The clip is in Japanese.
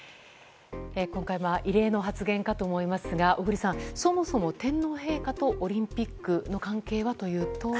今回、異例の発言かと思いますが小栗さん、そもそも天皇陛下とオリンピックの関係はというと？